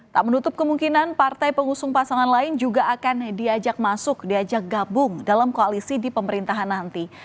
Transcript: tak menutup kemungkinan partai pengusung pasangan lain juga akan diajak masuk diajak gabung dalam koalisi di pemerintahan nanti